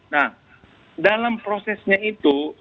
nah dalam prosesnya itu